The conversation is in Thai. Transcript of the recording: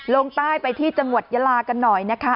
ลงใต้ไปที่จังหวัดยาลากันหน่อยนะคะ